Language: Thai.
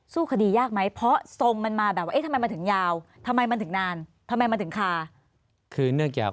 สู้คดียากไหมเพราะว่าทำไมมันถึงยาวทำไมมันถึงนานทำไมมันถึงคา